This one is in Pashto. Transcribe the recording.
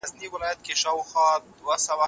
موږ بايد تاريخي کتابونه هم ولولو.